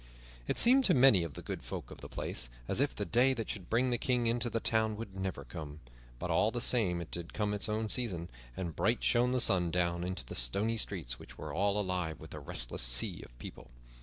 It seemed to many of the good folk of the place as if the day that should bring the King into the town would never come; but all the same it did come in its own season, and bright shone the sun down into the stony streets, which were all alive with a restless sea of people.